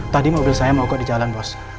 tadi mobil saya mau kok di jalan bos